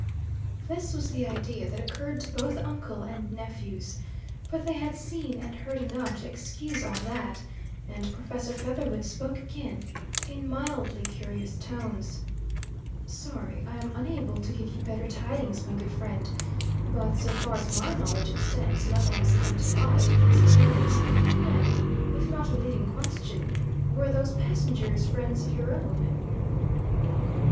This was the idea that occurred to both uncle and nephews, but they had seen and heard enough to excuse all that, and Professor Featherwit spoke again, in mildly curious tones: "Sorry I am unable to give you better tidings, my good friend, but, so far as my knowledge extends, nothing has come to light of recent years. And if not a leading question were those passengers friends of your own?"